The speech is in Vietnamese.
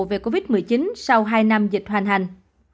về covid một mươi chín sau hai năm dịch hoàn hành